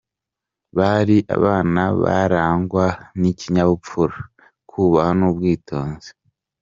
Bari abana barangwa n’ikinyabupfura, kubaha n’ubwitonzi.